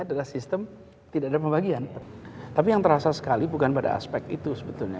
adalah sistem tidak ada pembagian tapi yang terasa sekali bukan pada aspek itu sebetulnya